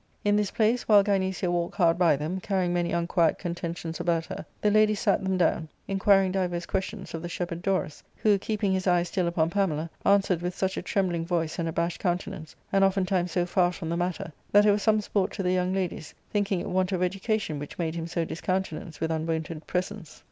In this place, while Gynecia walked hard by them, carrying many unquiet contentions about her, the ladies sat them down, inquiring divers questions of the shepherd Dorus, who, keeping his eye still upon Pamela, answered with such a trembling voice and abashed countenance, and oftentimes so far from the matter, that it was some sport to the young ladies, thinking it want of education which, made him so discountenanced with unwonted presence.